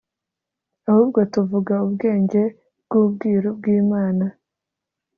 ahubwo tuvuga ubwenge bw’ubwiru bw’imana